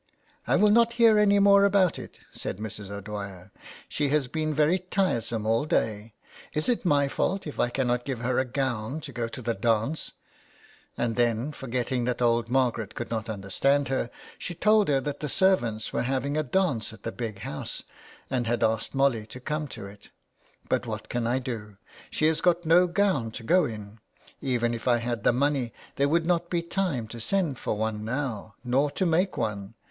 " I will not hear any more about it," said Mrs. O'Dwyer; "she has been very tiresome all day. Is it my fault if I cannot give her a gown to go to the dance ?" And then, forgetting that old Margaret could not understand her, she told her that the ser vants were having a dance at the Big House, and had asked Molly to come to it. " But what can I do ? She has got no gown to go in. Even if I had the money there would not be time to send for one now, nor to make one.